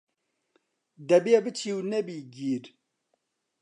دەبێ پچی و نەبی گیر